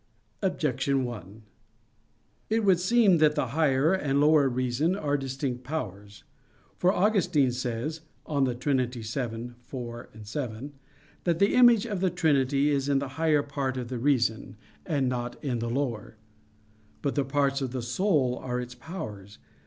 Objection 1: It would seem that the higher and lower reason are distinct powers. For Augustine says (De Trin. xii, 4,7), that the image of the Trinity is in the higher part of the reason, and not in the lower. But the parts of the soul are its powers.